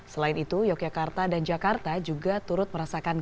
selain itu yogyakarta dan jakarta juga turut merasakan